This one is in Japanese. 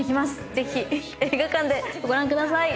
ぜひ映画館でご覧ください。